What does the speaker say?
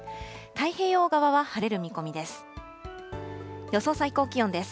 太平洋側は晴れる見込みです。